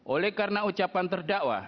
oleh karena ucapan terdakwa